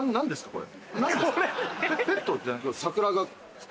これ。